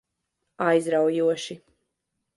Aizraujoši.